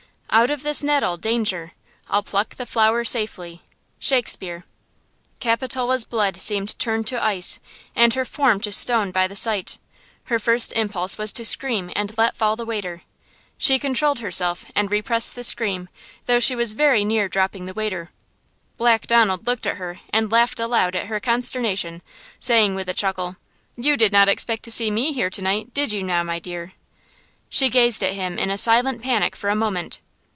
Out of this nettle, danger, I'll pluck the flower, safety! –SHAKESPEARE. CAPITOLA's blood seemed turned to ice, and her form to stone by the sight! Her first impulse was to scream and let fall the waiter! She controlled herself and repressed the scream though she was very near dropping the waiter. Black Donald looked at her and laughed aloud at her consternation, saying with a chuckle: "You did not expect to see me here to night, did you now, my dear?" She gazed at him in a silent panic for a moment.